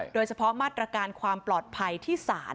โดยเฉพาะมาตรการความปลอดภัยที่ศาล